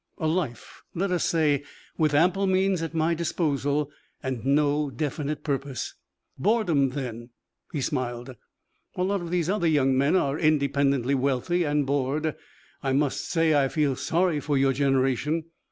A life let us say with ample means at my disposal and no definite purpose." "Boredom, then." He smiled. "A lot of these other young men are independently wealthy, and bored. I must say, I feel sorry for your generation.